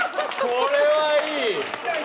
これはいい。